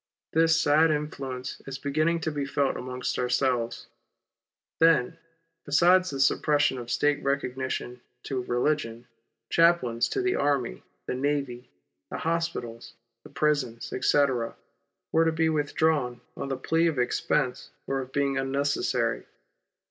This sad influence is beginning to be felt amongst ourselves. Then, besides the suppression of State recognition to religion, chaplains to the army, the navy, the hospitals, the prisons, etc., were to be with drawn on the plea of expense or of being unnecessary.